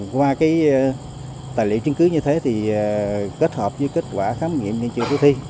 qua tài liệu chứng cứ như thế thì kết hợp với kết quả khám nghiệm như trường thủ thi